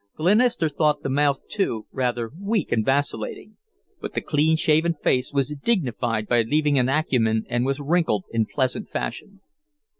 Glenister thought the mouth, too, rather weak and vacillating; but the clean shaven face was dignified by learning a acumen and was wrinkled in pleasant fashion.